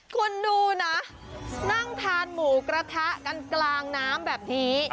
คุณดูนะนั่งทานหมูกระทะกันกลางน้ำแบบนี้